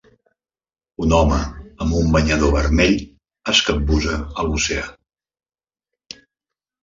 Un home amb un banyador vermell es capbussa a l'oceà.